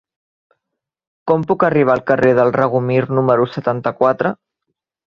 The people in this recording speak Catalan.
Com puc arribar al carrer del Regomir número setanta-quatre?